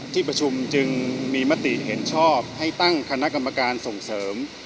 ที่ประชุมจึงมีมติเห็นชอบให้ตั้งคณะกรรมการส่งเสริม